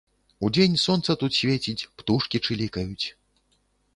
Удзень сонца тут свеціць, птушкі чылікаюць.